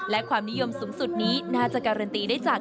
และความนิยมสูงสุดนี้น่าจะการันตีได้จาก